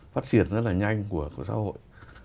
phát triển rất là nhanh của xã hội